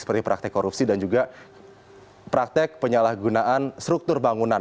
seperti praktek korupsi dan juga praktek penyalahgunaan struktur bangunan